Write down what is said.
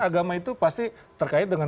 agama itu pasti terkait dengan